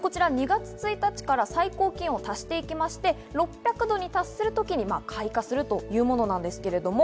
２月１日から最高気温を足していきまして、６００度に達する時に開花するというものです。